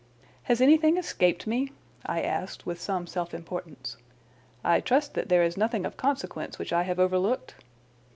"Has anything escaped me?" I asked with some self importance. "I trust that there is nothing of consequence which I have overlooked?"